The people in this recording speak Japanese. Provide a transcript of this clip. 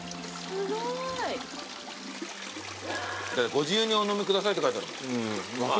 御自由にお飲みくださいって書いてある。